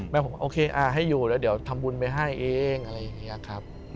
ผมก็โอเคให้อยู่แล้วเดี๋ยวทำบุญไปให้เองอะไรอย่างนี้ครับ